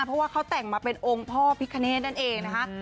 เพราะว่าเขาแต่งมาเป็นองค์พ่อพิคเนธนั่นเองนะคะ